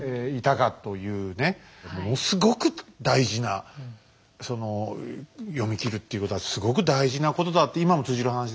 ものすごく大事なその読み切るっていうことはすごく大事なことだって今も通じる話ですよね。